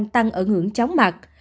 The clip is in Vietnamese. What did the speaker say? tăng ở ngưỡng chóng mặt